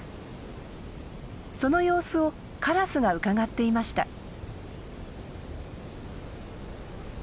その様子をカラスがうかがっていました。